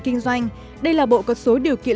kinh doanh đây là bộ có số điều kiện